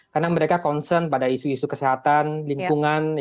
karena mereka concern pada isu isu kesehatan lingkungan